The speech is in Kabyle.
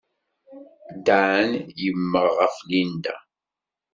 Dan yemmeɣ ɣef Linda.